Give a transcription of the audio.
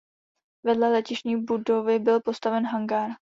Vedle letištní budovy byl postaven hangár.